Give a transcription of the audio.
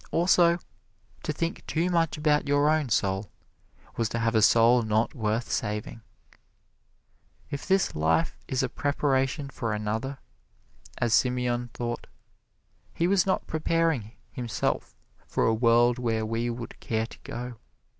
Also, to think too much about your own soul was to have a soul not worth saving. If this life is a preparation for another, as Simeon thought, he was not preparing himself for a world where we would care to go.